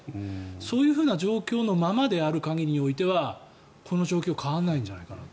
そういう状況のままである限りにおいてはこの状況変わらないんじゃないかと。